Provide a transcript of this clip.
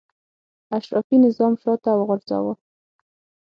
اشرافي نظام شاته وغورځاوه.